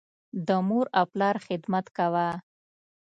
د مور او پلار خدمت کوه.